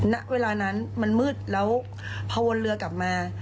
ณเวลานั้นมันมืดแล้วพอวนเรือกลับมา